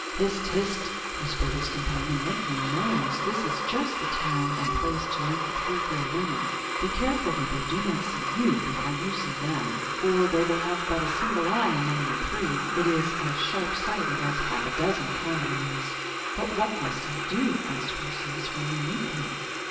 "Hist! hist!" whispered his companion. "Make no noise! This is just the time and place to meet the Three Gray Women. Be careful that they do not see you before you see them; for, though they have but a single eye among the three, it is as sharp sighted as half a dozen common eyes." "But what must I do," asked Perseus, "when we meet them?"